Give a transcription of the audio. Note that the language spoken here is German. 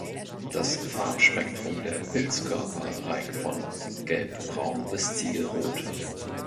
Das Farbspektrum der Pilzkörper reicht von gelbbraun bis ziegelrot.